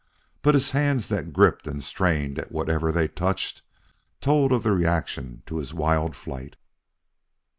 But his hands that gripped and strained at whatever they touched told of the reaction to his wild flight.